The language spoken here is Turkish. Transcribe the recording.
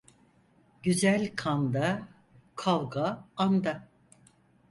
Güzel kanda kavga anda.